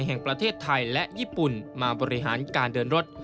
แห่งประเทศไทยและญี่ปุ่นมาบริหารการเดินรถ